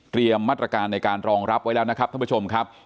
มาตรการในการรองรับไว้แล้วนะครับท่านผู้ชมครับ